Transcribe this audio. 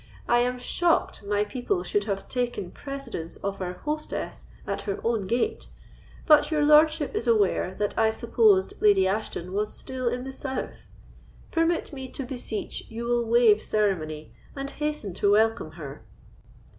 I am shocked my people should have taken precedence of our hostess at her own gate; but your lordship is aware that I supposed Lady Ashton was still in the south. Permit me to beseech you will waive ceremony, and hasten to welcome her."